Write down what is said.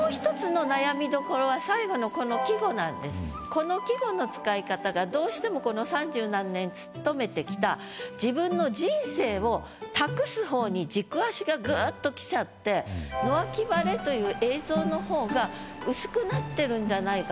この季語の使い方がどうしてもこの三十何年勤めてきた自分の人生を託す方に軸足がぐっときちゃって野分晴れという映像の方が薄くなってるんじゃないかなと。